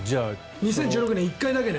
２０１６年に１回だけね。